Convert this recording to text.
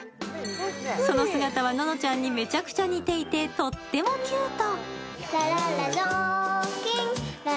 その姿はののちゃんにめちゃくちゃ似ていてとってもキュート。